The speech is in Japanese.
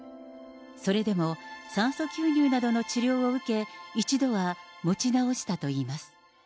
それでも、酸素吸入などの治療を受け、一度は持ち直したといいます。